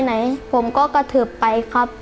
วันไหนผมก็กระเถิบไปครับ